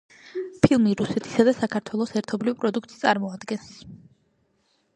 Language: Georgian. ფილმი რუსეთისა და საქართველოს ერთობლივ პროდუქტს წარმოადგენს.